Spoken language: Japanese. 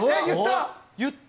言った！